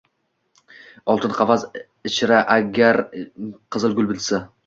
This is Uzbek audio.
Oltin qafas ichra gar qizil gul bitsa